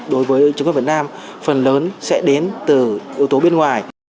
đối với chính phủ việt nam phần lớn sẽ đến từ yếu tố bên ngoài